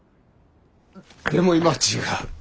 でも今は違う。